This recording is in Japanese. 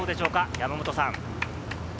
山本さん。